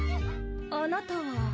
あなたは？